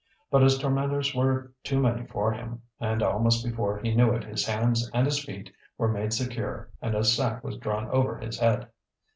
But his tormentors were too many for him and almost before he knew it his hands and his feet were made secure and a sack was drawn over his head.